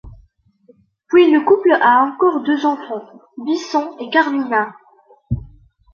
Puis le couple a encore deux enfants, Vicent et Carmina.